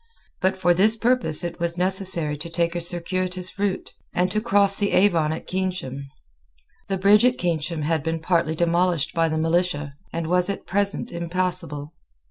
But for this purpose it was necessary to take a circuitous route, and to cross the Avon at Keynsham. The bridge at Keynsham had been partly demolished by the militia, and was at present impassable.